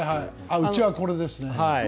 うちは、これですね。